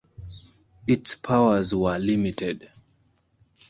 Its powers were limited.